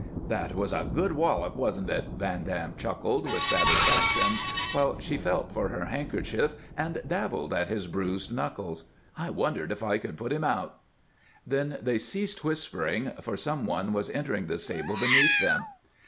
"That was a good wallop, wasn't it?" Van Dam chuckled, with satisfaction, while she felt for her handkerchief and dabbled at his bruised knuckles. "I wondered if I could put him out." Then they ceased whispering, for some one was entering the stable beneath them.